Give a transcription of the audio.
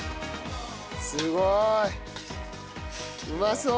すごい！うまそう！